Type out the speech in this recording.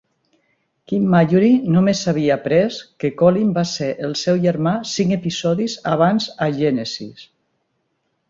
Quinn Mallory només havia après que Colin va ser el seu germà cinc episodis abans a "Genesis".